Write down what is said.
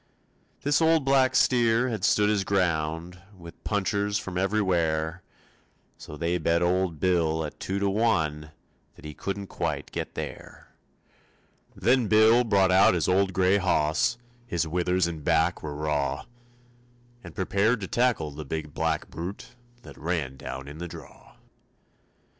This old black steer had stood his ground With punchers from everywhere; So they bet old Bill at two to one That he couldn't quite get there. Then Bill brought out his old gray hoss, His withers and back were raw, And prepared to tackle the big black brute That ran down in the draw.